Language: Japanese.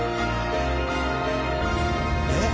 えっ。